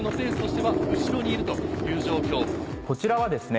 こちらはですね